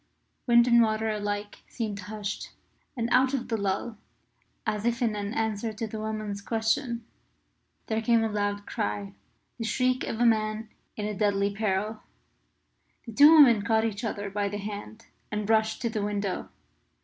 Wind and water alike seemed hushed. And out of the lull, as if in answer to the woman's question, there came a loud cry the shriek of a man in deadly peril. The two women caught each other by the hand and rushed to the window.